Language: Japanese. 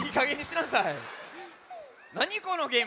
なにこのゲーム。